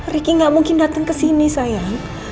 ricky gak mungkin dateng kesini sayang